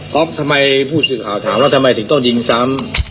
ครับทำไมผู้สื่อข่าวถามแล้วทำไมถึงต้นยิงซ้ำ